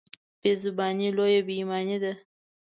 بېزباني لویه بېايماني ده.